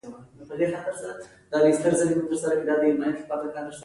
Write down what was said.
هغه له موسيقۍ سره سم اوتر او حيران شو.